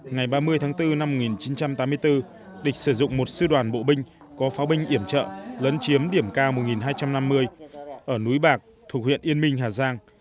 ngày ba mươi tháng bốn năm một nghìn chín trăm tám mươi bốn địch sử dụng một sư đoàn bộ binh có pháo binh iểm trợ lấn chiếm điểm cao một hai trăm năm mươi ở núi bạc thuộc huyện yên minh hà giang